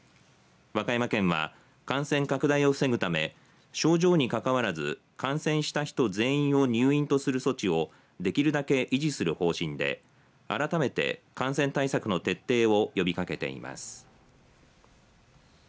和歌山県は、感染拡大を防ぐため症状にかかわらず感染した人全員入院とする措置をできるだけ維持する方針で改めて感染対策の徹底を呼びかけています。